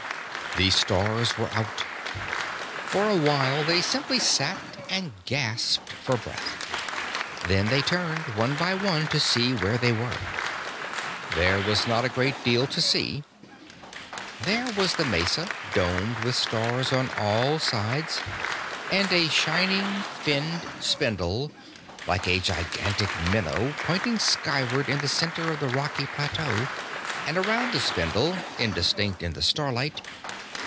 The stars were out. For a while they simply sat and gasped for breath. Then they turned, one by one, to see where they were. There was not a great deal to see. There was the mesa, domed with stars on all sides and a shining, finned spindle, like a gigantic minnow, pointing skyward in the center of the rocky plateau. And around the spindle, indistinct in the starlight....